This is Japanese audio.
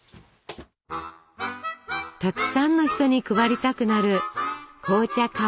たくさんの人に配りたくなる紅茶香る